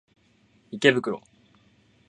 池袋